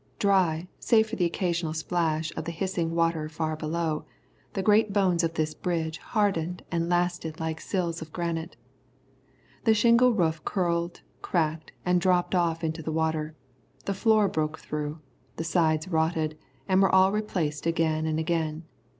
Dry, save for the occasional splash of the hissing water far below, the great bones of this bridge hardened and lasted like sills of granite. The shingle roof curled, cracked, and dropped off into the water; the floor broke through, the sides rotted, and were all replaced again and again.